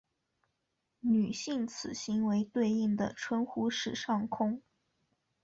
女性此行为对应的称呼是上空。